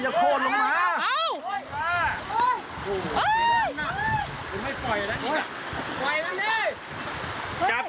จับเครื่องไว้จับเครื่องไว้